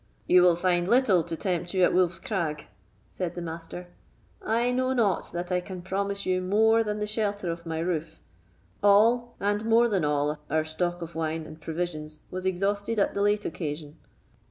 "You will find little to tempt you at Wolf's Crag," said the Master. "I know not that I can promise you more than the shelter of my roof; all, and more than all, our stock of wine and provisions was exhausted at the late occasion."